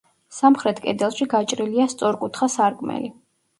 სამხრეთ კედელში გაჭრილია სწორკუთხა სარკმელი.